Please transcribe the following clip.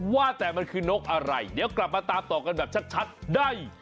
ว่าแต่มันคือนกอะไรเดี๋ยวกลับมาตามต่อกันแบบชัดได้